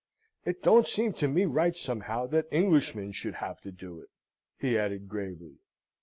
"It don't seem to me right somehow that Englishmen should have to do it," he added, gravely.